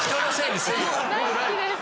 大好きです。